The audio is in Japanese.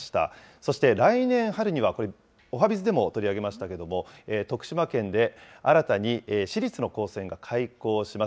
そして来年春にはこれ、おはＢｉｚでも取り上げましたけれども、徳島県で新たに私立の高専が開校します。